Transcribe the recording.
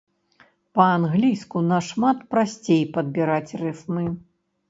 Па-англійску нашмат прасцей падбіраць рыфмы.